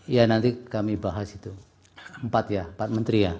ya nanti kami bahas itu empat ya empat menteri ya